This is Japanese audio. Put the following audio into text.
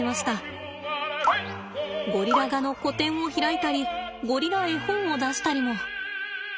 ゴリラ画の個展を開いたりゴリラ絵本を出したりも。